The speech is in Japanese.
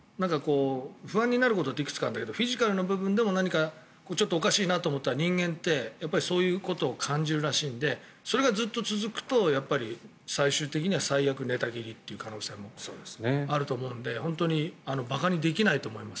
不安になることっていくつかあるけどフィジカルな部分でもちょっとおかしいなと思うと人間ってそういうことを感じるらしいのでそれがずっと続くと最終的には最悪、寝たきりという可能性もあると思うので馬鹿にできないと思います。